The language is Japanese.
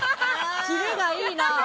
キレがいいなあ。